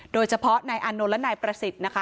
โดยเฉพาะนายอานนท์และนายประสิทธิ์นะคะ